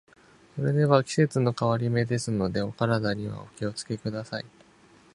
それでは、季節の変わり目ですので、お体にはお気を付けください。